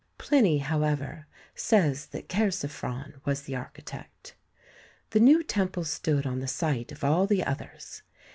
Pliny, however, says that Chersiphron was the architect. The new temple stood on the site of all the others.